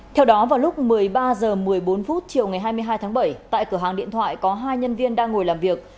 theo đó vào lúc một mươi ba h một mươi bốn chiều ngày hai mươi hai tháng bảy tại cửa hàng điện thoại có hai nhân viên đang ngồi làm việc